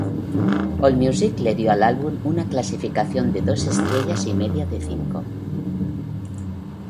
Allmusic le dio al álbum una clasificación de dos estrellas y media de cinco.